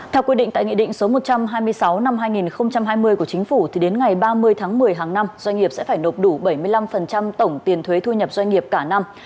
theo quy định tại nghị định số một trăm hai mươi sáu năm hai nghìn hai mươi của chính phủ thì đến ngày ba mươi tháng một mươi hàng năm doanh nghiệp sẽ phải nộp đủ bảy mươi năm tổng tiền thuế thu nhập doanh nghiệp cả năm